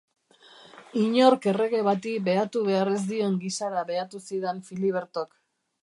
Inork errege bati behatu behar ez dion gisara behatu zidan Filibertok.